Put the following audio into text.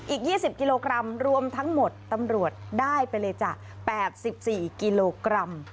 อีก๒๐กิโลกรัมรวมทั้งหมดตำรวจได้ไปเลยจ้ะ๘๔กิโลกรัม